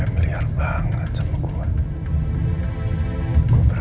sisi rumah ini